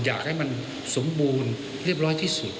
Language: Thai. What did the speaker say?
อยากให้มันสมบูรณ์เรียบร้อยที่สุด